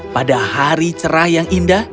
pada hari cerah yang indah